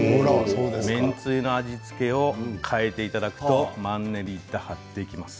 麺つゆの味付けを変えていただくとマンネリ打破できます。